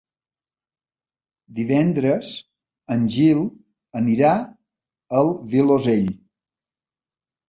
Divendres en Gil anirà al Vilosell.